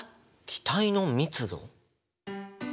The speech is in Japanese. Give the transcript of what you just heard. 気体の密度？